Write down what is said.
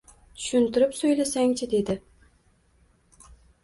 Tushuntirib so‘ylasang-chi, dedi